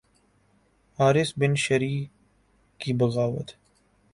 حارث بن شریح کی بغاوت